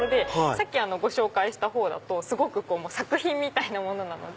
さっきご紹介したほうだとすごく作品みたいなものなので。